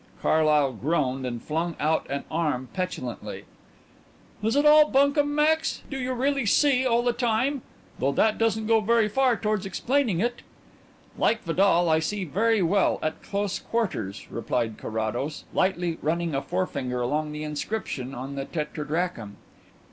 Carlyle groaned and flung out an arm petulantly. "Is it all bunkum, Max? Do you really see all the time though that doesn't go very far towards explaining it." "Like Vidal, I see very well at close quarters," replied Carrados, lightly running a forefinger along the inscription on the tetradrachm.